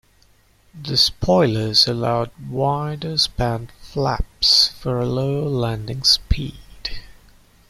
The spoilers allowed wider-span flaps for a lower landing speed.